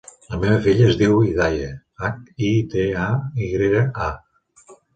La meva filla es diu Hidaya: hac, i, de, a, i grega, a.